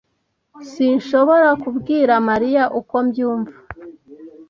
Sinshobora kubwira Mariya uko mbyumva.